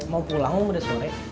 mau pulang udah sore